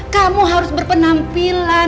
kamu harus berpenampilan